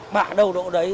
bãi đỗ đỗ đấy